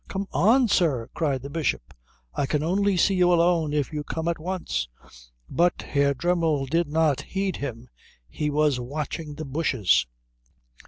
"Come on, sir!" cried the Bishop, "I can only see you alone if you come at once " But Herr Dremmel did not heed him. He was watching the bushes.